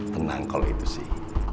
tenang kalau itu sih